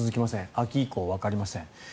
秋以降、わかりません。